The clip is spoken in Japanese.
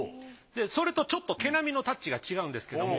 それとちょっと毛並のタッチが違うんですけども。